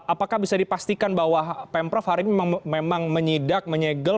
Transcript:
apakah bisa dipastikan bahwa pemprov hari ini memang menyidak menyegel